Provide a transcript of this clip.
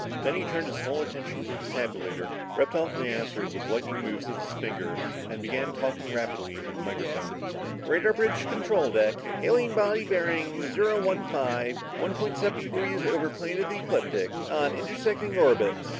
Then he turned his whole attention to the tabulator, ripped off the answer with lightning moves of his fingers and began talking rapidly into the microphone. "Radar bridge to control deck! Alien body bearing zero one five, one point seven degrees over plane of the ecliptic. On intersecting orbit.